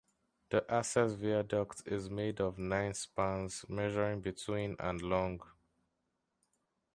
The access viaduct is made of nine spans measuring between and long.